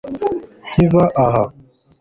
nkiva aha